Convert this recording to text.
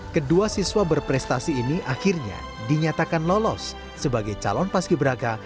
kedua siswa berprestasi ini akhirnya dinyatakan lolos sebagai calon paski beraka